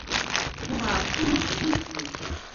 Бгәы бааԥсума, ибыхьзеи?